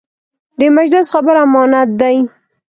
د مجلس خبره امانت دی.